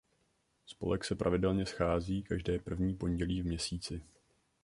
Spolek se pravidelně schází každé první pondělí v měsíci.